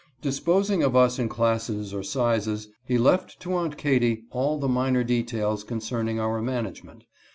Disposing of us in classes or sizes, he left to Aunt Katy all the minor details concerning our management.